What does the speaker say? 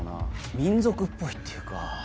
民族っぽいっていうか。